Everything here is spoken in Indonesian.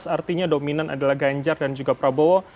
artinya dominan adalah ganjar dan juga prabowo